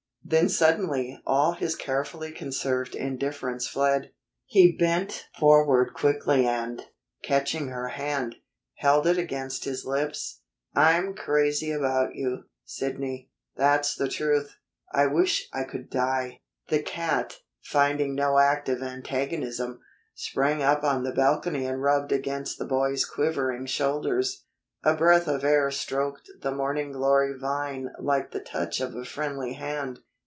Then suddenly all his carefully conserved indifference fled. He bent forward quickly and, catching her hand, held it against his lips. "I'm crazy about you, Sidney. That's the truth. I wish I could die!" The cat, finding no active antagonism, sprang up on the balcony and rubbed against the boy's quivering shoulders; a breath of air stroked the morning glory vine like the touch of a friendly hand.